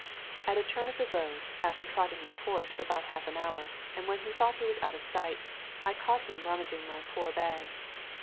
At a turn of the road, after trotting his horse for about half an hour, and when he thought he was out of sight, I caught him rummaging my poor bag.